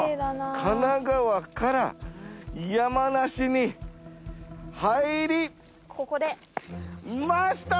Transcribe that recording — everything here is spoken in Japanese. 神奈川から山梨に入りました！